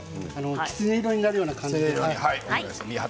きつね色になるような感じで。